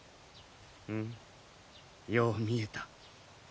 うんよう見えた。